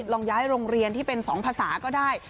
ลองย้ายโรงเรียนที่เป็น๒ภาษาก็ได้